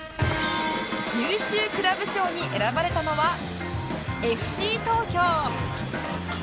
優秀クラブ賞に選ばれたのは ＦＣ 東京